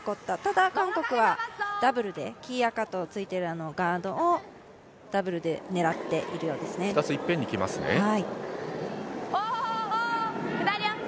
ただ、韓国はダブルで黄、赤とついているガードをダブルで狙っているようですね。